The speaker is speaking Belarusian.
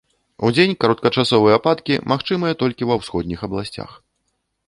Удзень кароткачасовыя ападкі магчымыя толькі ва ўсходніх абласцях.